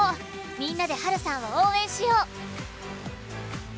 みんなでハルさんを応援しよう！」